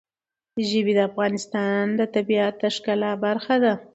ژبې د افغانستان د طبیعت د ښکلا برخه ده.